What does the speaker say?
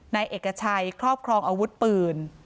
นายเอกชัยครอบครองอาวุธปืน